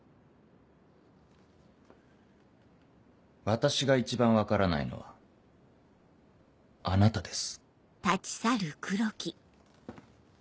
私が一番分からないのはあなたです。